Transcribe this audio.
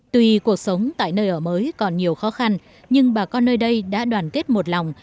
tuy cuộc sống tại nơi ở mới còn nhiều khó khăn nhưng bà con nơi đây đã đoàn kết một lòng